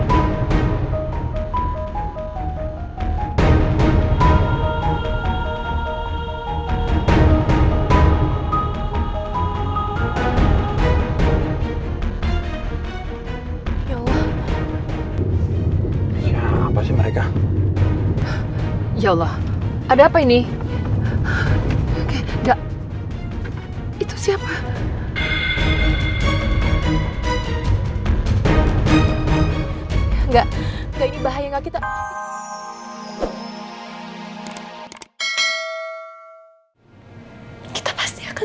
oh ya allah siapa sih mereka ya allah ada apa ini enggak itu siapa enggak enggak kita pasti akan